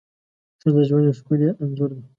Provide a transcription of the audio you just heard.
ښځه د ژوند یو ښکلی انځور ده.